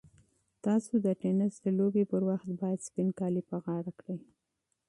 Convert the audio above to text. تاسو د تېنس د لوبې پر مهال باید سپین کالي په تن کړئ.